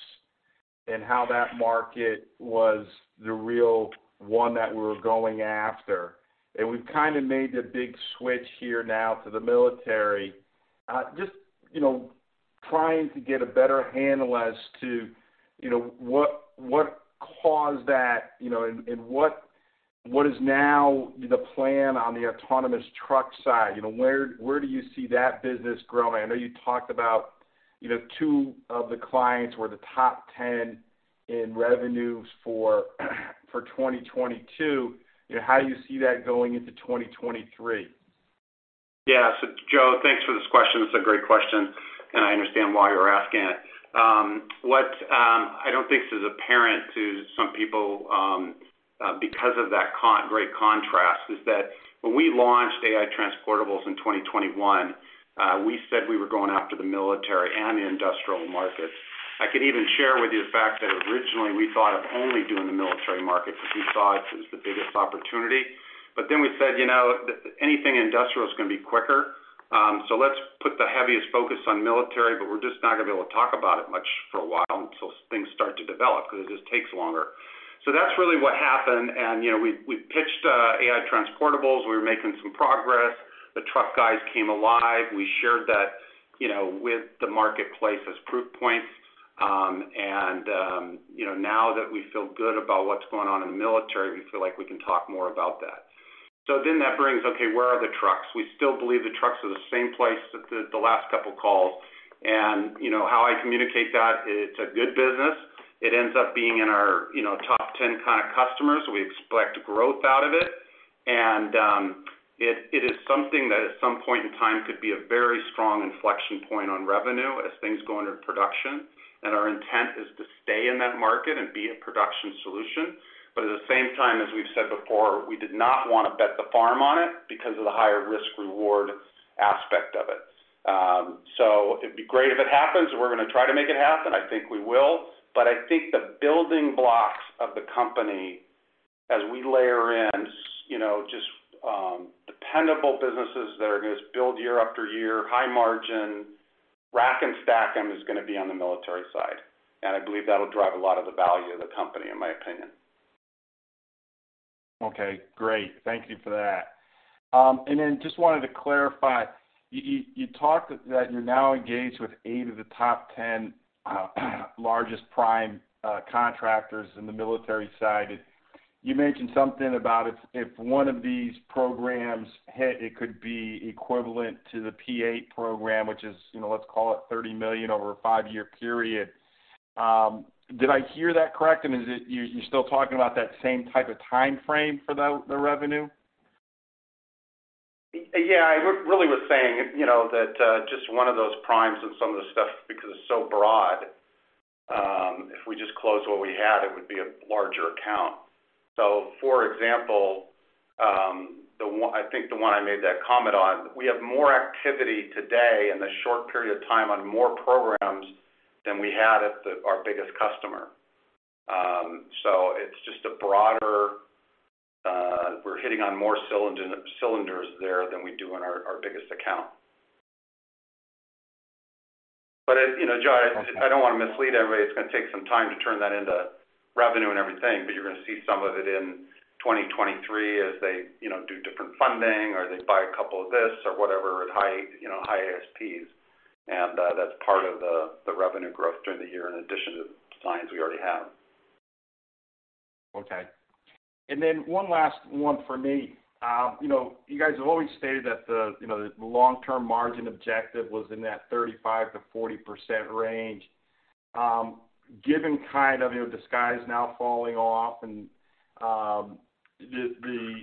and how that market was the real one that we were going after. We've kind of made the big switch here now to the military. Just, you know, trying to get a better handle as to, you know, what caused that, you know, and what is now the plan on the autonomous truck side? You know, where do you see that business growing? I know you talked about, you know, two of the clients were the top 10 in revenues for 2022. You know, how do you see that going into 2023? Yeah. Joe, thanks for this question. It's a great question, and I understand why you're asking it. What I don't think is apparent to some people because of that great contrast is that when we launched AI Transportables in 2021, we said we were going after the military and the industrial markets. I could even share with you the fact that originally we thought of only doing the military market because we thought it was the biggest opportunity. We said, you know, anything industrial is gonna be quicker. Let's put the heaviest focus on military, but we're just not gonna be able to talk about it much for a while until things start to develop because it just takes longer. That's really what happened. And, you know, we pitched AI Transportables. We were making some progress. The truck guys came alive. We shared that, you know, with the marketplace as proof points. You know, now that we feel good about what's going on in the military, we feel like we can talk more about that. That brings, okay, where are the trucks? We still believe the trucks are the same place as the last couple of calls. You know how I communicate that it's a good business. It ends up being in our, you know, top 10 kind of customers. We expect growth out of it, and it is something that at some point in time could be a very strong inflection point on revenue as things go into production. Our intent is to stay in that market and be a production solution. At the same time, as we've said before, we did not want to bet the farm on it because of the higher risk-reward aspect of it. It'd be great if it happens. We're gonna try to make it happen. I think we will. I think the building blocks of the company as we layer in, you know, just dependable businesses that are gonna just build year after year, high margin, rack and stack them is gonna be on the military side. I believe that'll drive a lot of the value of the company, in my opinion. Okay, great. Thank you for that. Just wanted to clarify, you talked that you're now engaged with 8 of the top 10 largest prime contractors in the military side. You mentioned something about if one of these programs hit, it could be equivalent to the P-8A program, which is, you know, let's call it $30 million over a 5-year period. Did I hear that correct? You're still talking about that same type of timeframe for the revenue? I really was saying, you know, that just one of those primes and some of the stuff, because it's so broad, if we just close what we had, it would be a larger account. For example, I think the one I made that comment on, we have more activity today in the short period of time on more programs than we had at our biggest customer. It's just a broader, we're hitting on more cylinders there than we do in our biggest account. You know, John, I don't wanna mislead everybody. It's gonna take some time to turn that into revenue and everything, but you're gonna see some of it in 2023 as they, you know, do different funding or they buy a couple of this or whatever at high, you know, high ASPs. That's part of the revenue growth during the year in addition to the clients we already have. Okay. One last one for me. You know, you guys have always stated that the, you know, the long-term margin objective was in that 35%-40% range. Given kind of, you know, disguise now falling off and the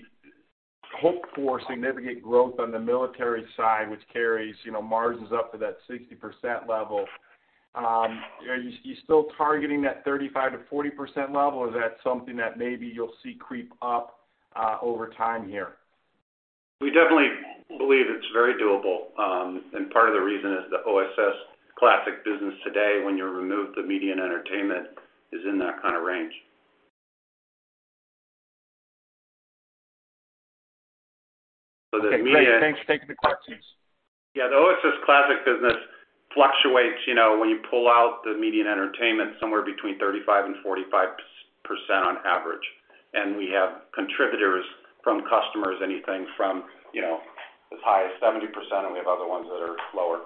hope for significant growth on the military side, which carries, you know, margins up to that 60% level, are you still targeting that 35%-40% level, or is that something that maybe you'll see creep up over time here? We definitely believe it's very doable. Part of the reason is the OSS Classic business today, when you remove the media and entertainment, is in that kind of range. Okay. Thanks for taking the questions. Yeah. The OSS Classic business fluctuates, you know, when you pull out the media and entertainment, somewhere between 35% and 45% on average. We have contributors from customers, anything from, you know, as high as 70%, and we have other ones that are lower.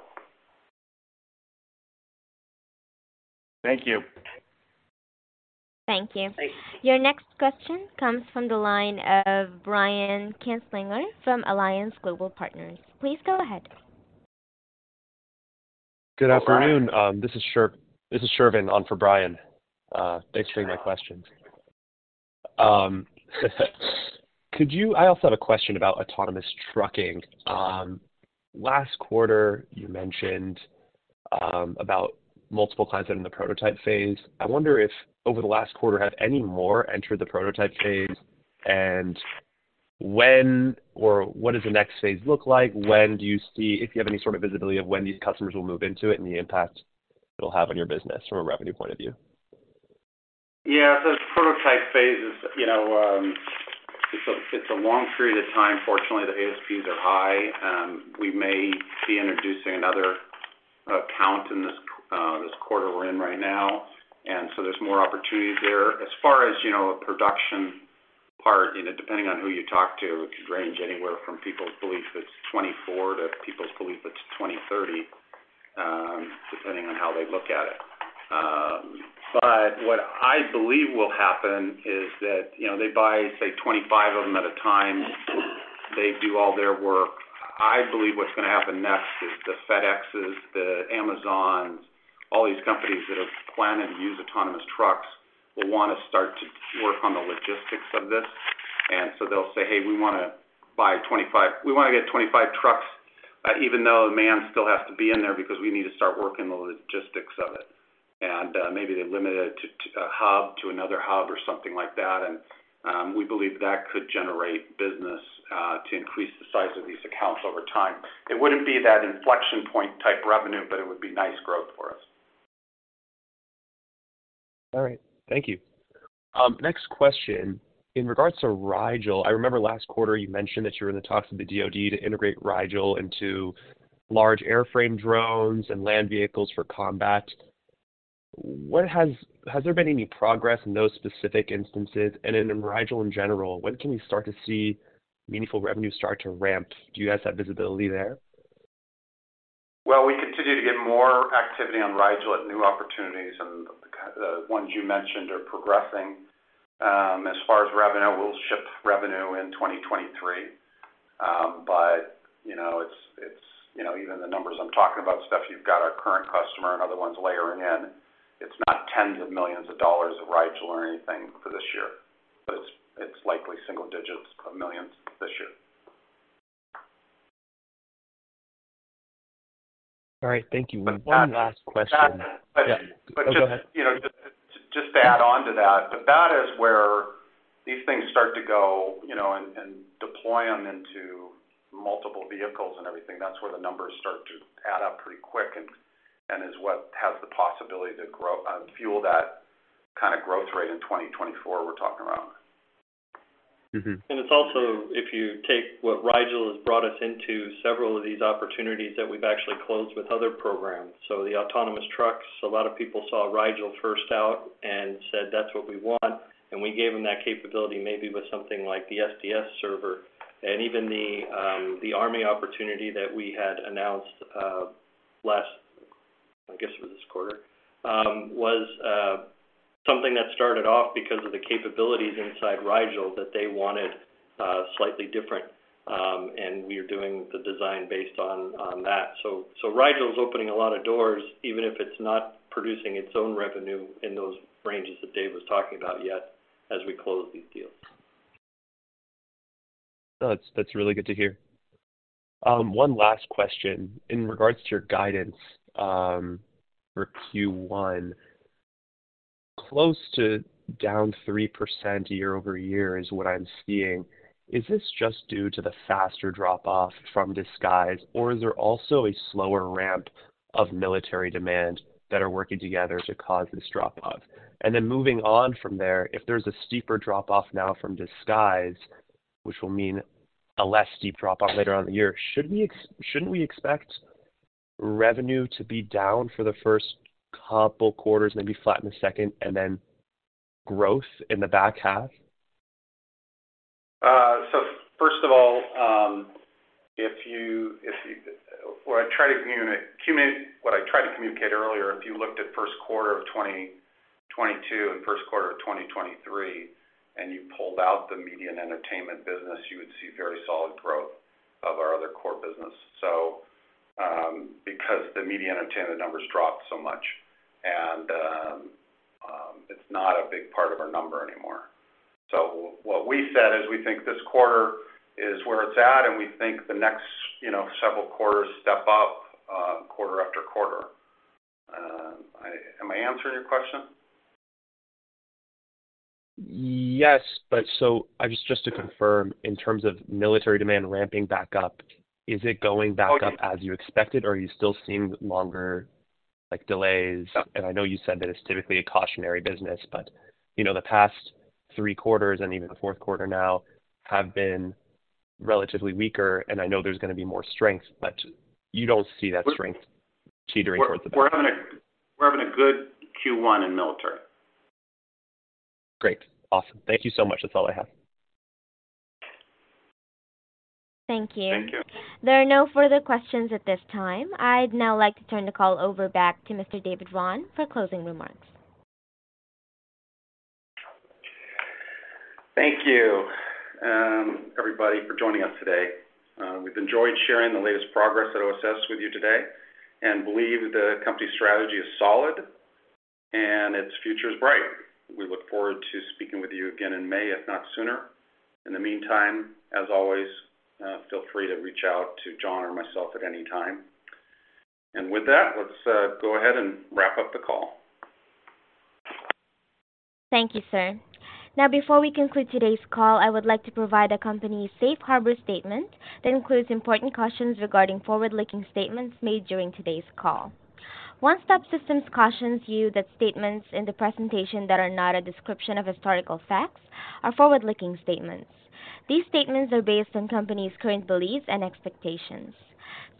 Thank you. Thank you. Thanks. Your next question comes from the line of Brian Kinstlinger from Alliance Global Partners. Please go ahead. Good afternoon. This is Shervin on for Brian. Thanks for taking my questions. I also have a question about autonomous trucking. Last quarter, you mentioned about multiple clients that are in the prototype phase. I wonder if over the last quarter have any more entered the prototype phase, and when or what does the next phase look like? When do you see, if you have any sort of visibility, of when these customers will move into it and the impact it'll have on your business from a revenue point of view? Yeah. The prototype phase is, you know, it's a long period of time. Fortunately, the ASPs are high. We may be introducing another account in this quarter we're in right now, there's more opportunities there. As far as, you know, a production part, you know, depending on who you talk to, it could range anywhere from people's belief it's 2024 to people's belief it's 2030, depending on how they look at it. What I believe will happen is that, you know, they buy, say, 25 of them at a time. They do all their work. I believe what's gonna happen next is the FedExes, the Amazons, all these companies that have planned to use autonomous trucks will wanna start to work on the logistics of this. They'll say, "Hey, we wanna buy 25... We wanna get 25 trucks, even though a man still has to be in there because we need to start working the logistics of it. Maybe they limit it to a hub, to another hub or something like that. We believe that could generate business to increase the size of these accounts over time. It wouldn't be that inflection point type revenue, but it would be nice growth for us. All right. Thank you. Next question. In regards to Rigel, I remember last quarter you mentioned that you were in the talks with the DoD to integrate Rigel into large airframe drones and land vehicles for combat. Has there been any progress in those specific instances? In Rigel in general, when can we start to see meaningful revenue start to ramp? Do you guys have visibility there? Well, we continue to get more activity on Rigel at new opportunities, and the ones you mentioned are progressing. As far as revenue, we'll ship revenue in 2023. You know, it's, you know, even the numbers I'm talking about, so if you've got our current customer and other ones layering in, it's not $10 million of Rigel or anything for this year. It's, it's likely single digits of millions this year. All right. Thank you. One last question. But that, but- Yeah. Oh, go ahead. Just, you know, to add on to that, but that is where these things start to go, you know, and deploy them into multiple vehicles and everything. That's where the numbers start to add up pretty quick and is what has the possibility to grow, fuel that kinda growth rate in 2024 we're talking around. Mm-hmm. It's also, if you take what Rigel has brought us into several of these opportunities that we've actually closed with other programs. The autonomous trucks, a lot of people saw Rigel first out and said, "That's what we want." We gave them that capability maybe with something like the SDS server. Even the Army opportunity that we had announced last, I guess it was this quarter, was something that started off because of the capabilities inside Rigel that they wanted slightly different. We are doing the design based on that. Rigel's opening a lot of doors, even if it's not producing its own revenue in those ranges that David was talking about yet as we close these deals. That's really good to hear. One last question. In regards to your guidance, for Q1, close to down 3% year-over-year is what I'm seeing. Is this just due to the faster drop off from disguise, or is there also a slower ramp of military demand that are working together to cause this drop off? Moving on from there, if there's a steeper drop off now from disguise, which will mean a less steep drop off later on in the year. Should we shouldn't we expect revenue to be down for the first couple quarters, maybe flat in the second, and then growth in the back half? First of all, What I try to communicate, what I tried to communicate earlier, if you looked at first quarter of 2022 and first quarter of 2023, and you pulled out the media and entertainment business, you would see very solid growth of our other core business. Because the media and entertainment numbers dropped so much, and, it's not a big part of our number anymore. What we said is we think this quarter is where it's at, and we think the next, you know, several quarters step up, quarter after quarter. Am I answering your question? Yes, I just to confirm, in terms of military demand ramping back up, is it going back up as you expected, or are you still seeing longer, like, delays? I know you said that it's typically a cautionary business, but, you know, the past three quarters and even the fourth quarter now have been relatively weaker, and I know there's gonna be more strength, but you don't see that strength teetering towards the back. We're having a good Q1 in military. Great. Awesome. Thank you so much. That's all I have. Thank you. Thank you. There are no further questions at this time. I'd now like to turn the call over back to Mr. David Raun for closing remarks. Thank you, everybody, for joining us today. We've enjoyed sharing the latest progress at OSS with you today and believe the company's strategy is solid and its future is bright. We look forward to speaking with you again in May, if not sooner. In the meantime, as always, feel free to reach out to John or myself at any time. With that, let's go ahead and wrap up the call. Thank you, sir. Before we conclude today's call, I would like to provide the company's safe harbor statement that includes important cautions regarding forward-looking statements made during today's call. One Stop Systems cautions you that statements in the presentation that are not a description of historical facts are forward-looking statements. These statements are based on company's current beliefs and expectations.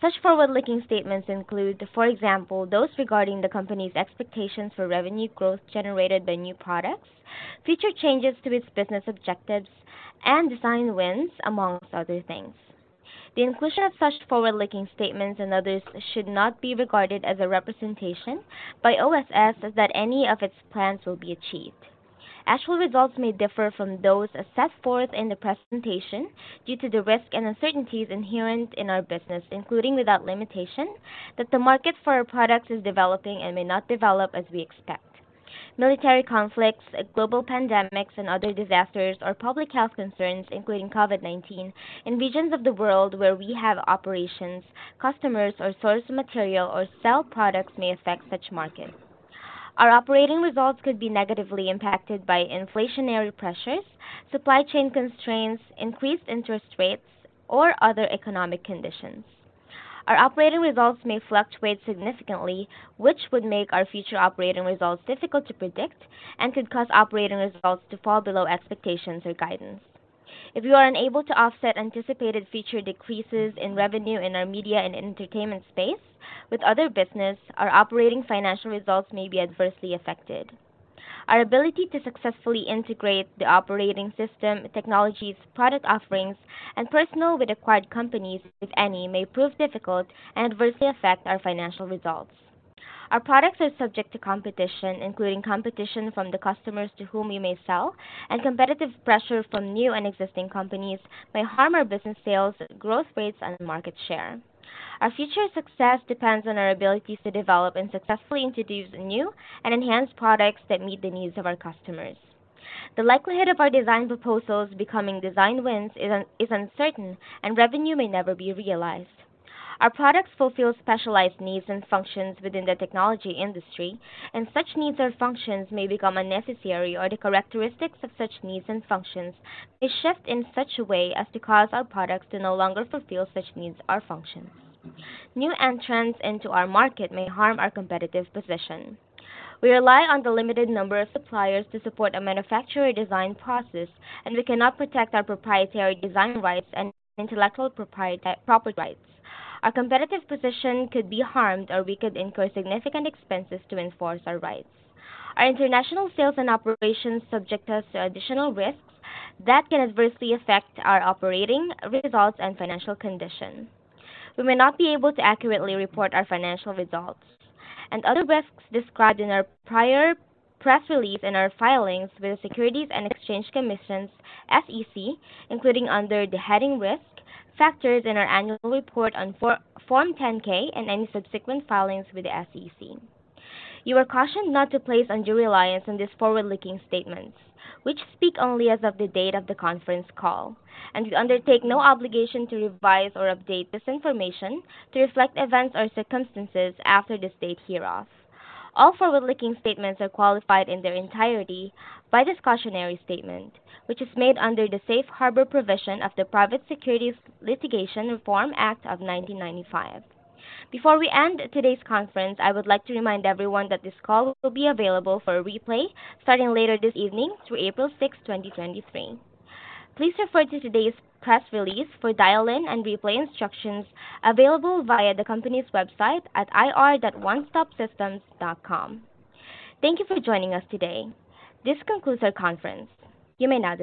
Such forward-looking statements include, for example, those regarding the company's expectations for revenue growth generated by new products, future changes to its business objectives, and design wins, amongst other things. The inclusion of such forward-looking statements and others should not be regarded as a representation by OSS that any of its plans will be achieved. Actual results may differ from those as set forth in the presentation due to the risk and uncertainties inherent in our business, including without limitation, that the market for our products is developing and may not develop as we expect. Military conflicts, global pandemics, and other disasters or public health concerns, including COVID-19, in regions of the world where we have operations, customers or source of material or sell products may affect such markets. Our operating results could be negatively impacted by inflationary pressures, supply chain constraints, increased interest rates, or other economic conditions. Our operating results may fluctuate significantly, which would make our future operating results difficult to predict and could cause operating results to fall below expectations or guidance. If we are unable to offset anticipated future decreases in revenue in our media and entertainment space with other business, our operating financial results may be adversely affected. Our ability to successfully integrate the operating system, technologies, product offerings, and personnel with acquired companies, if any, may prove difficult and adversely affect our financial results. Our products are subject to competition, including competition from the customers to whom we may sell, and competitive pressure from new and existing companies may harm our business sales, growth rates, and market share. Our future success depends on our abilities to develop and successfully introduce new and enhanced products that meet the needs of our customers. The likelihood of our design proposals becoming design wins is uncertain, and revenue may never be realized. Our products fulfill specialized needs and functions within the technology industry, and such needs or functions may become unnecessary, or the characteristics of such needs and functions may shift in such a way as to cause our products to no longer fulfill such needs or functions. New entrants into our market may harm our competitive position. We rely on the limited number of suppliers to support a manufacturer design process, and we cannot protect our proprietary design rights and intellectual property rights. Our competitive position could be harmed, or we could incur significant expenses to enforce our rights. Our international sales and operations subject us to additional risks that can adversely affect our operating results and financial condition. We may not be able to accurately report our financial results and other risks described in our prior press release and our filings with the Securities and Exchange Commission, SEC, including under the heading Risk Factors in our annual report on Form 10-K and any subsequent filings with the SEC. You are cautioned not to place undue reliance on these forward-looking statements, which speak only as of the date of the conference call. We undertake no obligation to revise or update this information to reflect events or circumstances after this date hereof. All forward-looking statements are qualified in their entirety by this cautionary statement, which is made under the safe harbor provision of the Private Securities Litigation Reform Act of 1995. Before we end today's conference, I would like to remind everyone that this call will be available for a replay starting later this evening through April 6, 2023. Please refer to today's press release for dial-in and replay instructions available via the company's website at ir.onestopsystems.com. Thank you for joining us today. This concludes our conference. You may now disconnect.